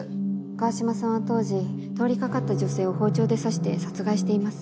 川島さんは当時通りかかった女性を包丁で刺して殺害しています。